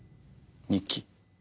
日記？